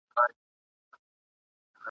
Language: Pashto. څه خبر وي چي پر نورو څه تیریږي !.